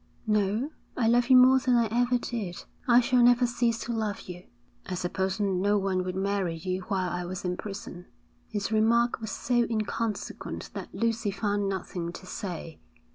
'No, I love you more than I ever did. I shall never cease to love you.' 'I suppose no one would marry you while I was in prison.' His remark was so inconsequent that Lucy found nothing to say.